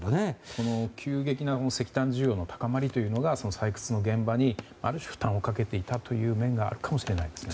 この急激な石炭需要の高まりというのが採掘の現場に負担をかけていた面があるかもしれないですね。